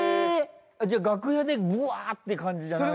じゃ楽屋でブワーッて感じじゃない？